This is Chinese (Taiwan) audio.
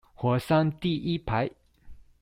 火山第一排